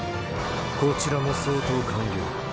こちらも掃討完了。